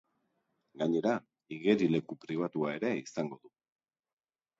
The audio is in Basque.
Gainera, igerileku pribatua ere izango du.